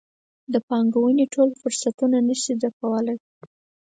د پانګونې ټول فرصتونه نه شي ډکولی.